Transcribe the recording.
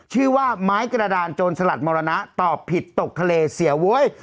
ชื่อว่าไม้กระดานโจรสลัดมรณะตอบผิดตกทะเลเสียโว๊ย